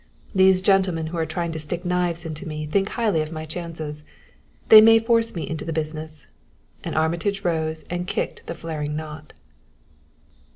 These gentlemen who are trying to stick knives into me think highly of my chances. They may force me into the business " and Armitage rose and kicked the flaring knot.